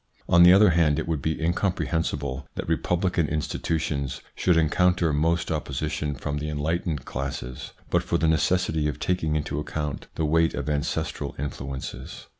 On the other hand, it would be incomprehensible that republican insti tutions should encounter most opposition from the enlightened classes, but for the necessity of taking into account the weight of ancestral influences.